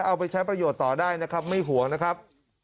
เอาไปใช้ประโยชน์ต่อได้นะครับไม่ห่วงนะครับ